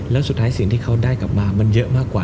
แล้วสุดท้ายสิ่งที่เขาได้กลับมามันเยอะมากกว่า